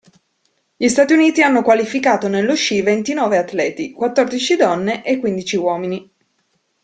Gli Stati Uniti hanno qualificato nello sci ventinove atleti, quattordici donne e quindici uomini.